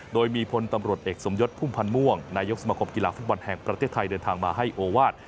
โดยมีพลตำรวจเอกสมยศพุ่มพันธ์ม่วงนายกสมคมกีฬาฟุตบอลแห่งประเทศไทยเดินทางมาให้โอวาส